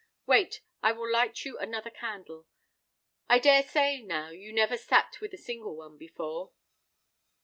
Wait, I will light you another candle; I dare say, now, you never sat with a single one before."